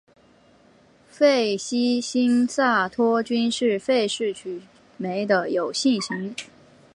费希新萨托菌是费氏曲霉的有性型。